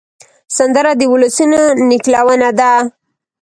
سندره د ولسونو نښلونه ده